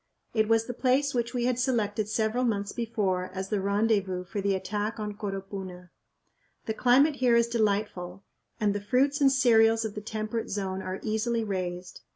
It was the place which we had selected several months before as the rendezvous for the attack on Coropuna. The climate here is delightful and the fruits and cereals of the temperate zone are easily raised.